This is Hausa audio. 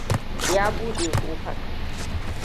Ya buɗe ƙofar.